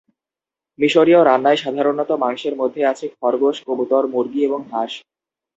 মিশরীয় রান্নায় সাধারণ মাংসের মধ্যে আছে খরগোশ, কবুতর, মুরগি এবং হাঁস।